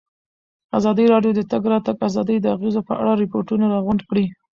ازادي راډیو د د تګ راتګ ازادي د اغېزو په اړه ریپوټونه راغونډ کړي.